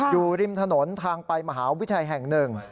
อยู่ริมถนนทางไปมหาวิทยาลัยแห่งหนึ่ง